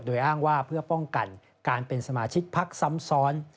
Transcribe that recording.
โดยอ้างว่าเพื่อป้องกันการเป็นสมาชิกพักซ้ำซ้อน